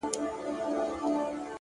ما په دې ښار کې د مَېنو امامت کړى دى